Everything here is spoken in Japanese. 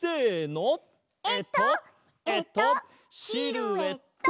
えっとえっとシルエット！